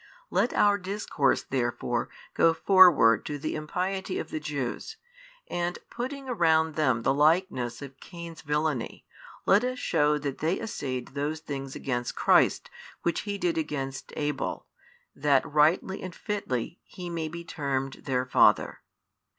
Let our discourse therefore go forward to the impiety of the Jews, and putting around them the likeness of Cain's villainy, let us shew that they essayed those things against Christ, which he did against Abel, that rightly and fitly he may be termed their father.